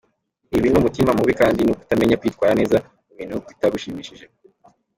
Ibi ni umutima mubi kandi ni ukutamenya kwitwara neza mu bintu bitagushimishije.